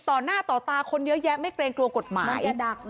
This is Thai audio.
ต่อหน้าต่อตาคนเยอะแยะไม่เกรงกลัวกฎหมาย